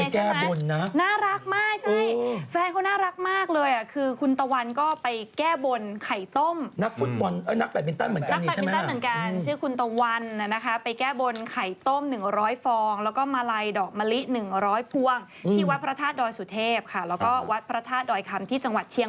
ฮะมันมีอะไรกันเนี่ย